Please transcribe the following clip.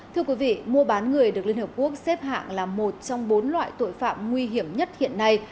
thưa quý vị mua bán người được liên hợp quốc xếp hạng là một trong bốn loại tội phạm nguy hiểm nhất hiện nay